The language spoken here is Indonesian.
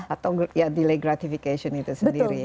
atau ya delay gratification itu sendiri